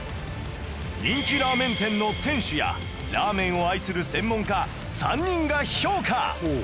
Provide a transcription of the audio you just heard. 人気ラーメン店の店主やラーメンを愛する専門家３人が評価